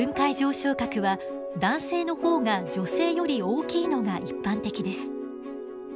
床核は男性の方が女性より大きいのが一般的です。